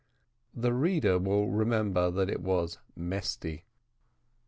The reader will remember that it was Mesty.